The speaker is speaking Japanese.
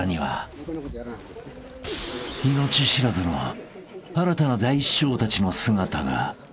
［命知らずの新たな大師匠たちの姿が］